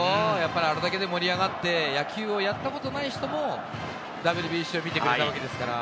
あれだけ盛り上がって、野球をやったことない人もＷＢＣを見てくれたわけですから。